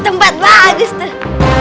tempat bagus tuh